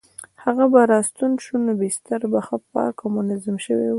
هغه به راستون شو نو بستر به ښه پاک او منظم شوی وو.